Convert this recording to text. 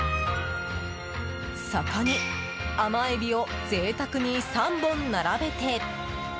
そこに甘エビを贅沢に３本並べて。